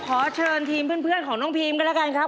ขอเชิญทีมเพื่อนของน้องพีมกันแล้วกันครับ